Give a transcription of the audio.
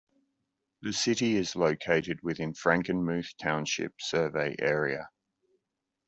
The city is located within Frankenmuth Township survey area.